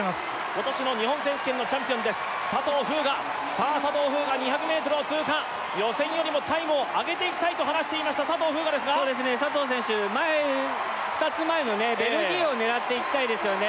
今年も日本選手権のチャンピオンです佐藤風雅さあ佐藤風雅２００ｍを通過予選よりもタイムをあげていきたいと話していました佐藤風雅ですがそうですね佐藤選手前２つ前のねベルギーを狙っていきたいですよね